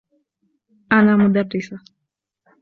أنا مدرّسة.